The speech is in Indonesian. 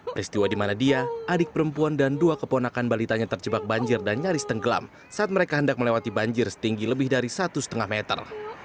peristiwa di mana dia adik perempuan dan dua keponakan balitanya terjebak banjir dan nyaris tenggelam saat mereka hendak melewati banjir setinggi lebih dari satu lima meter